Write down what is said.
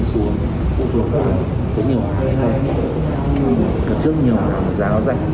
cần trước nhiều hàng giá nó rạch